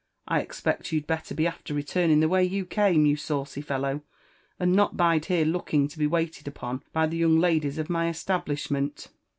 1 expect you'd belter be after returning the way you came, you saucy fellow, and not bide here look ing to be waited upon by the young ladies of my establishment."